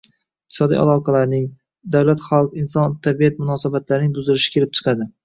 iqtisodiy aloqalarning, davlat-xalq, inson-tabiat munosabatlarining buzilishi kelib chiqadi.